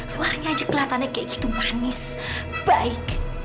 lelahnya aja kelihatannya kayak gitu manis baik